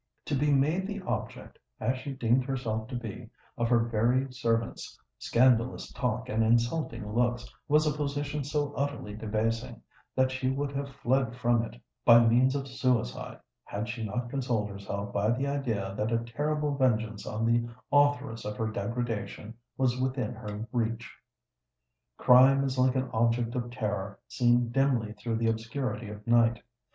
To be made the object, as she deemed herself to be, of her very servants' scandalous talk and insulting looks, was a position so utterly debasing, that she would have fled from it by means of suicide, had she not consoled herself by the idea that a terrible vengeance on the authoress of her degradation was within her reach. Crime is like an object of terror seen dimly through the obscurity of night.